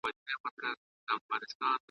په دې پړي کې کومه غوټه شته